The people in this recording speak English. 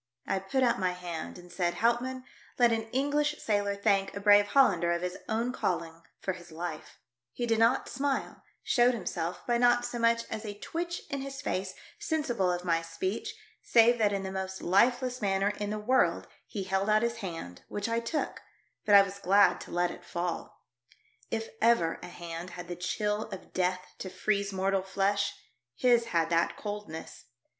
I put out my hand, and said, " Houtmann, let an English sailor thank a brave Hollander of his own calling: for his life," He did not smile — showed himself, by not so much as a twitch in his face sensible of my speech, save that in the most lifeless manner in the world he held out his hand, which I took ; but I was glad to let it fall. If ever a hand had the chill of death to freeze mortal flesh, his had that coldness.